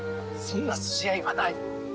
そんな筋合いはない。